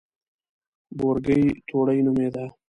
بورګۍ توړۍ نومېده.